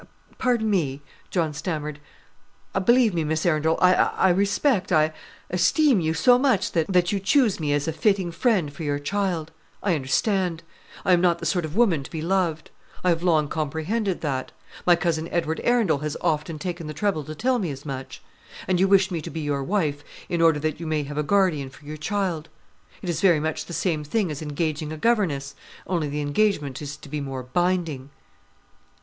"Pardon me," John stammered; "believe me, Miss Arundel, I respect, I esteem you so much, that " "That you choose me as a fitting friend for your child. I understand. I am not the sort of woman to be loved. I have long comprehended that. My cousin Edward Arundel has often taken the trouble to tell me as much. And you wish me to be your wife in order that you may have a guardian for your child? It is very much the same thing as engaging a governess; only the engagement is to be more binding."